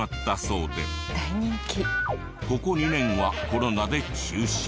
ここ２年はコロナで中止。